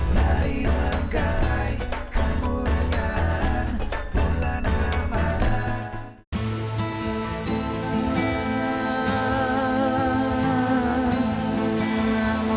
lari lai kemuliaan bulan ramadhan